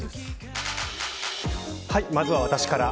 まずは私から。